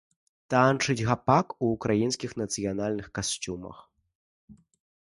Танчаць гапак у украінскіх нацыянальных касцюмах.